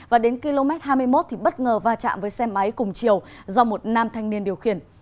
và đến km hai mươi một thì bất ngờ va chạm với xe máy cùng chiều do một nam thanh niên điều khiển